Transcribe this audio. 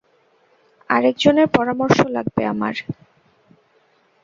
আরেকজনের পরামর্শ লাগবে আমার।